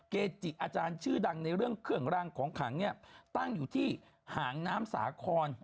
เกจิอาจารย์ชื่อดังในเรื่องเครื่องรางของขังเนี่ยตั้งอยู่ที่หางน้ำสาคร